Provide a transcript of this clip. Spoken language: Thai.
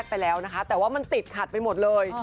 แต่ว่ามันติดขัดไปหมดเลย